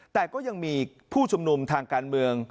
แต่ก็ยังมีผู้ชุมนุมทางการเมือง